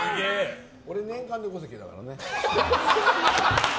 俺、年間で５席だからね。